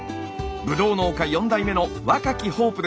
ブドウ農家４代目の若きホープです。